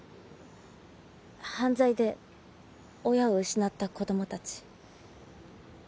犯罪で親を失った子供たち。